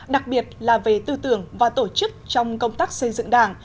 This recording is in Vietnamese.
đặc biệt là về tư tưởng và tổ chức trong công tác xây dựng đảng